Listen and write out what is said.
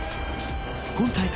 今大会